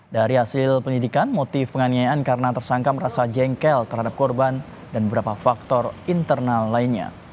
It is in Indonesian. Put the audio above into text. dari hasil penyidikan motif penganiayaan karena tersangka merasa jengkel terhadap korban dan beberapa faktor internal lainnya